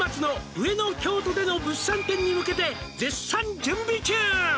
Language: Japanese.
「上野京都での物産展に向けて」「絶賛準備中」